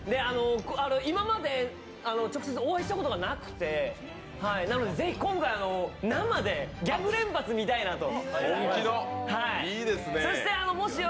今まで直接お会いしたことがなくてなので、ぜひ今回、生でギャグ連発見たいなと。